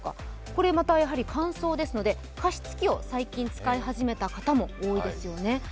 これはまた乾燥ですので、加湿器を最近、使い始めた方も多いですよね。